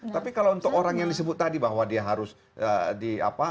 tapi kalau untuk orang yang disebut tadi bahwa dia harus di apa